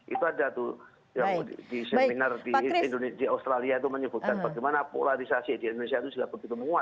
itu ada tuh yang di seminar di australia itu menyebutkan bagaimana polarisasi di indonesia itu sudah begitu menguat